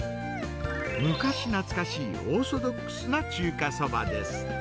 昔懐かしいオーソドックスな中華そばです。